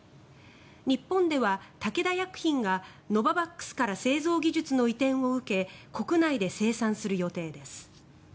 日本では、武田薬品がノババックスから製造技術の移転を受け国内で生産する予定です。